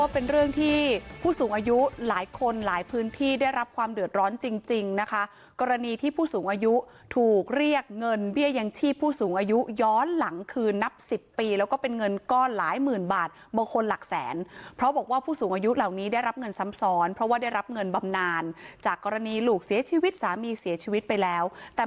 เป็นเรื่องที่ผู้สูงอายุหลายคนหลายพื้นที่ได้รับความเดือดร้อนจริงจริงนะคะกรณีที่ผู้สูงอายุถูกเรียกเงินเบี้ยยังชีพผู้สูงอายุย้อนหลังคืนนับสิบปีแล้วก็เป็นเงินก้อนหลายหมื่นบาทบางคนหลักแสนเพราะบอกว่าผู้สูงอายุเหล่านี้ได้รับเงินซ้ำซ้อนเพราะว่าได้รับเงินบำนานจากกรณีลูกเสียชีวิตสามีเสียชีวิตไปแล้วแต่